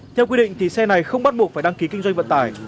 theo quy định xe này không bắt buộc phải đăng ký kinh doanh vận tải